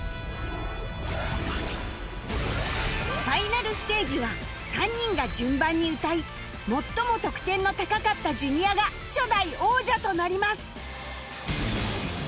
ファイナルステージは３人が順番に歌い最も得点の高かった Ｊｒ． が初代王者となります